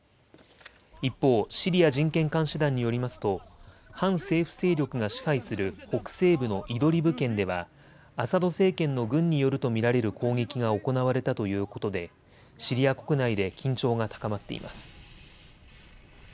一方、シリア人権監視団によりますと反政府勢力が支配する北西部のイドリブ県ではアサド政権の軍によると見られる攻撃が行われたということでシリア国内で緊張が高まっています。